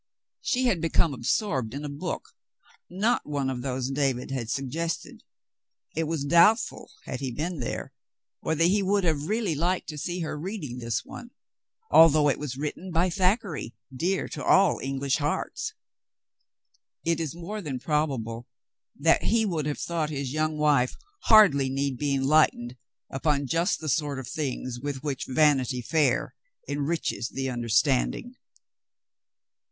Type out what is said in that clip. She had become absorbed in a book — not one of those David had suggested. It is doubtful, had he been there, whether he would have really liked to see her reading this one, although it was written by Thackeray, dear to all English hearts. It is more than probable that he would have thought his young wife hardly need be enlightened upon just the sort of things with which Vanity Fair enriches the understanding.